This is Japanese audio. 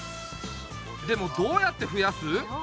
でもどうやってふやす？